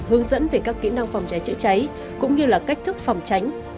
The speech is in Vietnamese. hướng dẫn về các kỹ năng phòng cháy chữa cháy cũng như là cách thức phòng tránh